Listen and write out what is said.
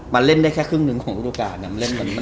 มันเล่นได้แค่ครึ่งนึงค่ะอยู่ตรูการ